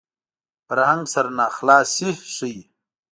فرهنګ سرناخلاصي ښيي